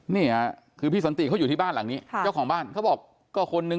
นี่คือพี่สัญติที่อยู่ที่บ้านหลังนี้ซึ่งบ้านเขาบอกก็คนนึง